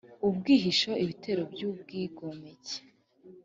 ubwihisho ibitero by ubwigomeke